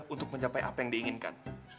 untuk mencapai apa yang diinginkan